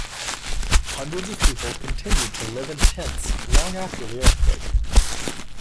Hundreds of people continued to live in tents long after the earthquake.